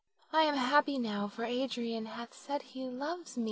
I am happy now for Adrian hath said he loves me.